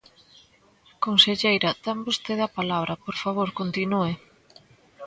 Conselleira, ten vostede a palabra, por favor, continúe.